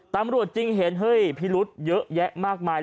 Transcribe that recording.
ตำรวจจึงเห็นเฮ้ยพิรุธเยอะแยะมากมาย